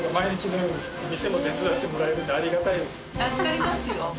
助かりますよ。